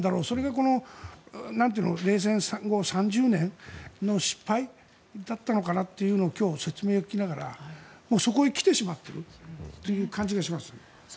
それが冷戦後３０年の失敗だったのかなと今日、説明を聞きながらそこへ来てしまっているという感じがします。